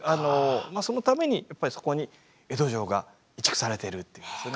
そのためにやっぱりそこに江戸城が移築されてるっていうですね。